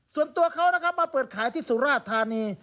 ส่วนตัวเขานะครับมาเปิดขายที่สุราธานี